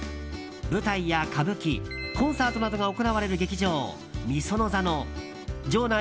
舞台や歌舞伎コンサートなどが行われる劇場御園座の場内